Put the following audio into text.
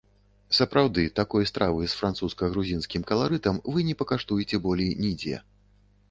Сапраўды, такой стравы з французска-грузінскім каларытам вы не пакаштуеце болей нідзе.